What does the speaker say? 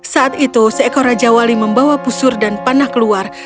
saat itu seekor raja wali membawa pusur dan panah keluar